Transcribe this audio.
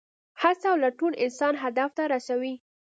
هڅه او لټون انسان هدف ته رسوي.